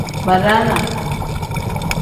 Badaanaa.